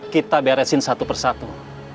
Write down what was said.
kita beresin satu persatu